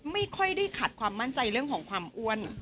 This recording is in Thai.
ไม่ค่อยได้ขัดความมั่นใจเรื่องของความอ้วน